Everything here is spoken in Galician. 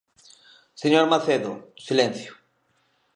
Señor Macedo, silencio.